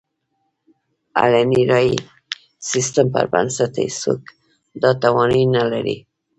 علني رایې سیستم پر بنسټ هېڅوک دا توانایي نه لري.